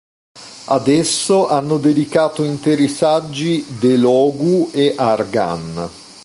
Ad esso hanno dedicato interi saggi De Logu e Argan.